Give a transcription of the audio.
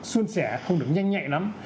xuân sẻ không được nhanh nhạy lắm